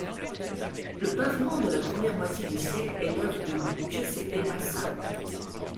Le pavement de la première moitié du siècle est l'œuvre de Giuseppe Massa.